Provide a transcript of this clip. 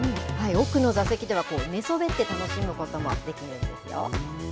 奥の座席では、寝そべって楽しむこともできるんですよ。